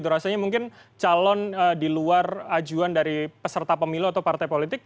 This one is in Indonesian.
rasanya mungkin calon di luar ajuan dari peserta pemilu atau partai politik